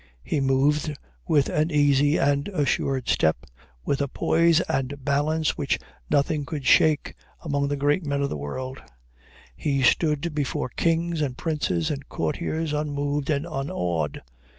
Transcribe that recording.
He moved with an easy and assured step, with a poise and balance which nothing could shake, among the great men of the world; he stood before kings and princes and courtiers, unmoved and unawed.